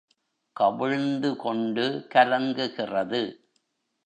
கவிழ்ந்து கொண்டு கலங்குகிறது.